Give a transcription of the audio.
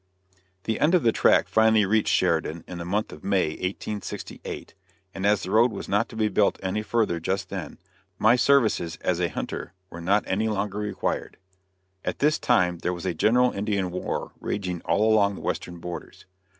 The end of the track finally reached Sheridan, in the month of May, 1868, and as the road was not to be built any farther just then, my services as a hunter were not any longer required. At this time there was a general Indian war raging all along the western borders.